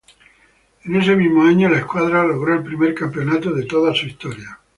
En ese mismo año la escuadra logró el primer campeonato de toda su historia.